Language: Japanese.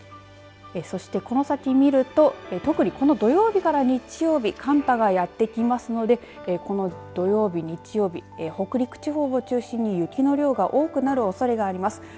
そして、この先見ると特にこの土曜日から日曜日寒波がやってきますのでこの土曜日、日曜日北陸地方を中心に雪の量が多くなるおそれがあります。